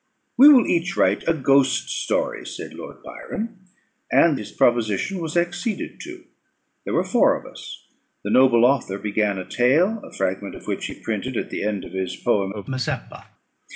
"We will each write a ghost story," said Lord Byron; and his proposition was acceded to. There were four of us. The noble author began a tale, a fragment of which he printed at the end of his poem of Mazeppa.